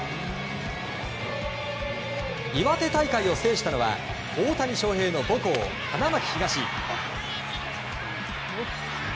岩手大会を制したのは大谷翔平の母校・花巻東。